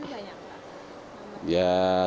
tapi banyak lah